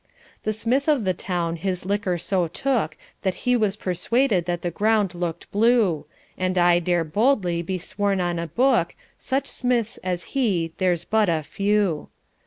The smith of the town his liquor so took, That he was persuaded that the ground look'd blue; And I dare boldly be sworn on a book, Such smiths as he there's but a few.